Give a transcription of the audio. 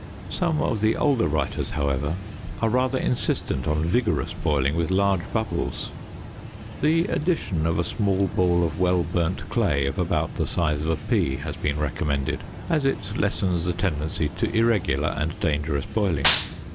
Some of the older writers, however, are rather insistent on vigorous boiling with large bubbles. The addition of a small ball of well burnt clay of about the size of a pea has been recommended, as it lessens the tendency to irregular and dangerous boiling.